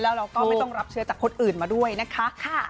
แล้วเราก็ไม่ต้องรับเชื้อจากคนอื่นมาด้วยนะคะ